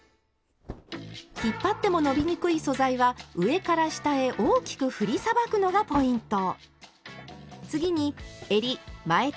引っ張っても伸びにくい素材は上から下へ大きく振りさばくのがポイント。